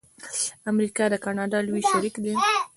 امریکا د کاناډا لوی شریک دی.